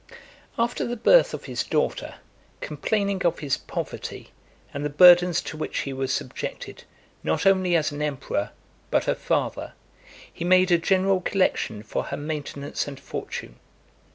XLII. After the birth of his daughter, complaining of his (281) poverty, and the burdens to which he was subjected, not only as an emperor, but a father, he made a general collection for her maintenance and fortune.